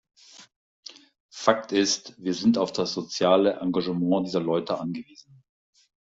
Fakt ist, wir sind auf das soziale Engagement dieser Leute angewiesen.